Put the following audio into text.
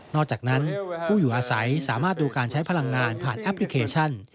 อกจากนั้นผู้อยู่อาศัยสามารถดูการใช้พลังงานผ่านแอปพลิเคชัน